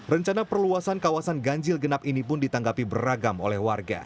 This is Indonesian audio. rencana perluasan kawasan ganjil genap ini pun ditanggapi beragam oleh warga